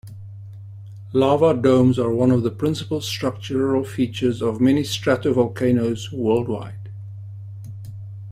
Lava domes are one of the principal structural features of many stratovolcanoes worldwide.